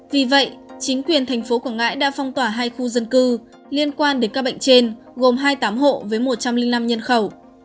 vì vậy chính quyền thành phố quảng ngãi đã phong tỏa hai khu dân cư liên quan đến các bệnh trên gồm hai mươi tám hộ với một trăm linh năm nhân khẩu